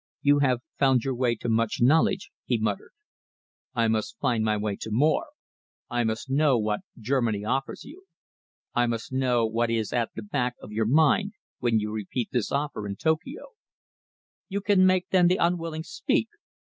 "You have found your way to much knowledge,", he muttered. "I must find my way to more. I must know what Germany offers you. I must know what is at the back of your mind when you repeat this offer in Tokio." "You can make, then, the unwilling speak?"